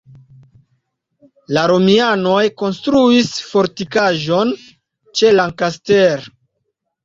La romianoj konstruis fortikaĵon ĉe Lancaster.